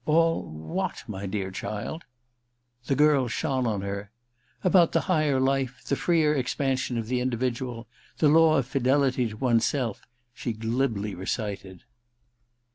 * All — what, my dear child ?' The girl shone on her. * About the higher life — the freer expansion of the individual — ^the law of fidelity to one's self,' she glibly recited.